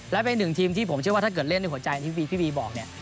และเป็นหนึ่งทีมที่ผมเชื่อว่าถ้าเกิดเล่นในหัวใจที่พี่บีบอกเนี่ย